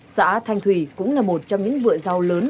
xã thanh thủy cũng là một trong những vựa rau lớn